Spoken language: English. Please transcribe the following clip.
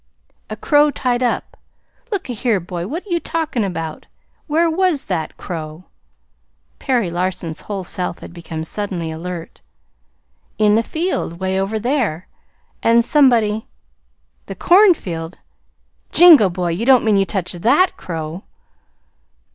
"A crow tied up Look a here, boy, what are you talkin' about? Where was that crow?" Perry Larson's whole self had become suddenly alert. "In the field 'Way over there. And somebody " "The cornfield! Jingo! Boy, you don't mean you touched THAT crow?"